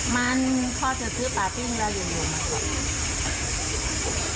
มันพ่อจะซื้อปลาปิ้งได้เร็วมากครับ